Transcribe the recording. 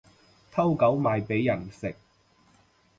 偷狗賣畀人食